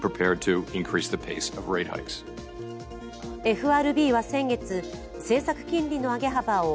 ＦＲＢは先月、政策金利の上げ幅を